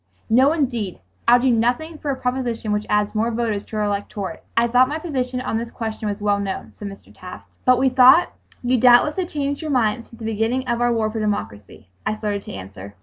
"No, indeed! I'll do nothing for a proposition which adds more voters to our electorate. I thought my position on this question was well known," said Mr. Taft. "But we thought you doubtless had changed your mind since the beginning of our war for democracy——" I started to answer.